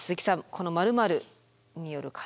この「○○による火災」。